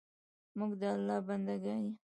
موږ د الله ج بندګان یو